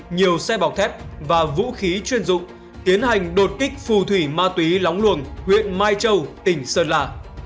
nhiều xe bọc thép và vũ khí chuyên dụng tiến hành đột kích phù thủy ma túy lóng luồng huyện mai châu tỉnh sơn la